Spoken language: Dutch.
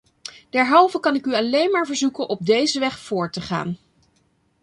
Derhalve kan ik u alleen maar verzoeken op deze weg voort te gaan!